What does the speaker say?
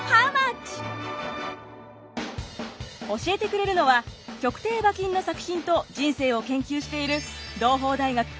教えてくれるのは曲亭馬琴の作品と人生を研究している同朋大学服部仁